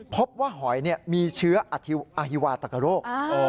พบว่าหอยมีเชื้ออฮิวาศักดิ์โรค